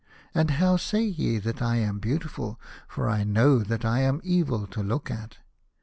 And how say ye that I am beautiful, for I know that I am evil to look at